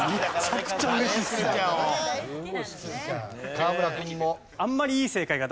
河村君も。